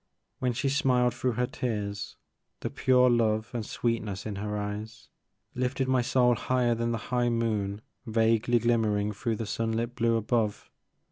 When she smiled through her tears, the pure love and sweetness in her eyes lifted my soul higher than the high moon vaguely glimmering through the sun lit blue above.